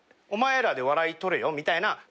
お前らで笑い取れよみたいな。